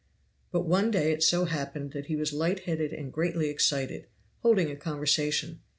But one day it so happened that he was light headed and greatly excited, holding a conversation.